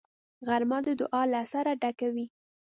غرمه د دعا له اثره ډکه وي